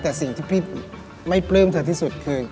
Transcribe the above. แต่สิ่งที่ไม่เปิ้ลเธอที่สุดคือ